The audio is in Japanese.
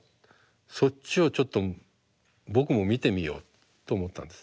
そっちをちょっと僕も見てみよう」と思ったんです。